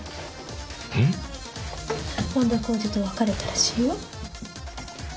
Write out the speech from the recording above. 本田浩二と別れたらしいよ。